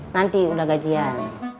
nanti udah gajian